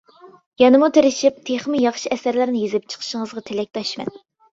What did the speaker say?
يەنىمۇ تىرىشىپ، تېخىمۇ ياخشى ئەسەرلەرنى يېزىپ چىقىشىڭىزغا تىلەكداشمەن!